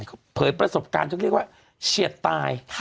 เขาเผยประสบการณ์เขาเรียกว่าเฉียดตาย